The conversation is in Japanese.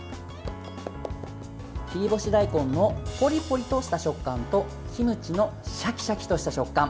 切り干し大根のポリポリとした食感とキムチのシャキシャキとした食感。